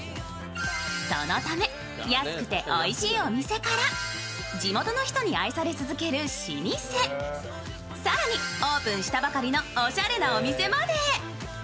そのため安くておいしいお店から地元の人に愛され続ける老舗、更にオープンしたばかりのおしゃれなお店まで。